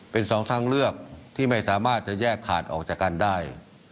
เป็นสองทางเลือกที่ไม่สามารถจะแยกขาดออกจากกันได้